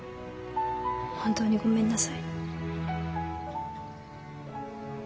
本当にごめんなさい。